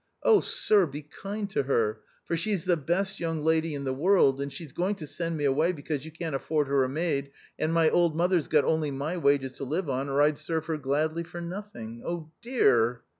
Oh ! Sir, be kind to her, for she's the best young lady in the world, and she's going to send me away because you can't afford, her a maid ; and my old mother's got only my wages to live on, or I'd serve her gladly for nothing. dear